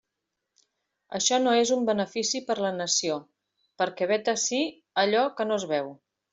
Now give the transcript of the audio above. Això no és un benefici per a la nació, perquè vet ací allò que no es veu.